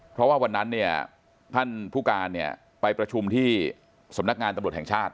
เพราะว่าวันนั้นเนี่ยท่านผู้การเนี่ยไปประชุมที่สำนักงานตำรวจแห่งชาติ